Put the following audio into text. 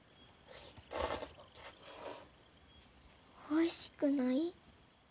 おいしくない？